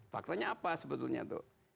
faktanya apa sebetulnya tuh